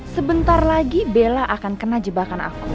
sebentar lagi bella akan kena jebakan aku